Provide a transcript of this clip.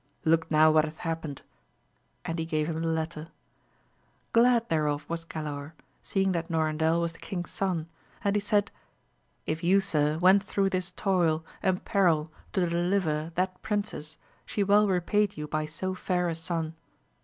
Look now what hath happened ? and he gave him the letter. Glad thereof was Galaor, seeing that Norandel was the king's son, and he said, If you, sir, went thro' this toil and peril to deliver that 12—2 180 AMADIS OF GAUL, princess, she well repaid you by so fair a son.